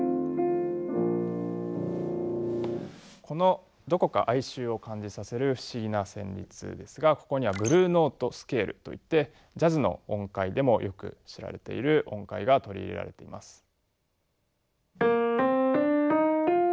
このどこか哀愁を感じさせる不思議な旋律ですがここにはブルーノート・スケールといってジャズの音階でもよく知られている音階が取り入れられています。